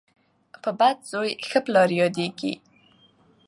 په بد زوی ښه پلار یادیږي.